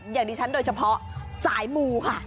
อย่างดิฉันโดยเฉพาะสายมูค่ะ